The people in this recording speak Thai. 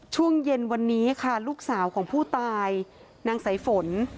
ช่วงเย็นวันนี้ค่ะลูกสาวของผู้ตายนางสายฝน